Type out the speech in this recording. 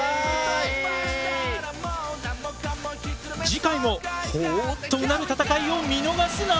次回もほぉっとうなる戦いを見逃すな！